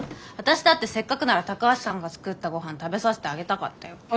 私だってせっかくなら高橋さんが作ったごはん食べさせてあげたかったよ。